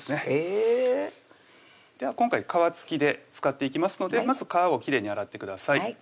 へぇ今回皮付きで使っていきますのでまず皮をきれいに洗ってください